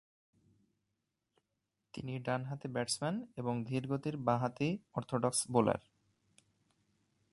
তিনি ডানহাতি ব্যাটসম্যান এবং ধীরগতির বা-হাতি অর্থোডক্স বোলার।